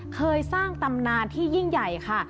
เคยสร้างตำนานที่ยิ่งใหญ่ค่ะ